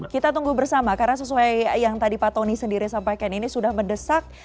kita tunggu bersama karena sesuai yang tadi pak tony sendiri sampaikan ini sudah mendesak